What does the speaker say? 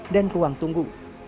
dan keuang tunggu